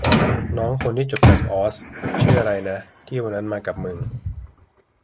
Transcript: น้องคนที่จบจากออสชื่ออะไรนะ ที่วันนั้นมากับมึง